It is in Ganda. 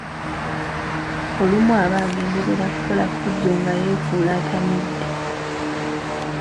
Olumu aba agenderera kukola ffujjo nga yeefuula atamidde.